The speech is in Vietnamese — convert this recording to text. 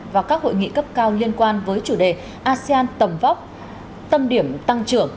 và các hội nghị cấp cao liên quan với chủ đề asean tầm vóc tâm điểm tăng trưởng